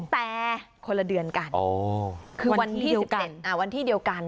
แต่คนละเดือนกันคือวันที่เดียวกัน